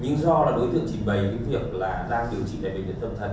nhưng do đối tượng chỉ bày những việc đang điều trị tại bệnh viện tâm thần